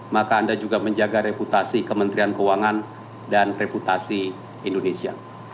maka anda juga menjaga reputasi kementerian keuangan dan reputasi indonesia